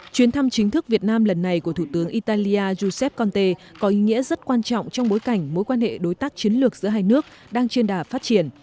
chuyến thăm chính thức việt nam lần này của thủ tướng italia giuseppe conte có ý nghĩa rất quan trọng trong bối cảnh mối quan hệ đối tác chiến lược giữa hai nước đang trên đà phát triển